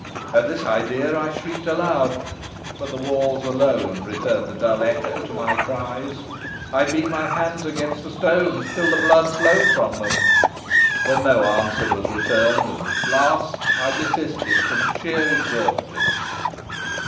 At this idea I shrieked aloud, but the walls alone returned a dull echo to my cries. I beat my hands against the stones, till the blood flowed from them, but no answer was returned; and at last I desisted from sheer exhaustion.